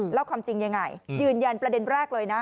แล้วความจริงยังไงยืนยันประเด็นแรกเลยนะ